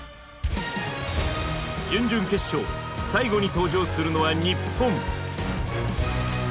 準々決勝最後に登場するのは日本。